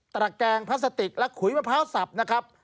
ระแกงพลาสติกและขุยมะพร้าวสับนะครับ